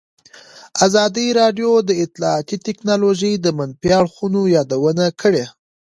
ازادي راډیو د اطلاعاتی تکنالوژي د منفي اړخونو یادونه کړې.